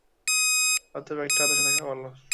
অতএব একটি আদর্শ থাকা ভাল।